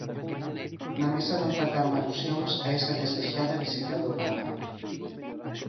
Na mesa non faltaron alusións a esa desexada visita do Papa.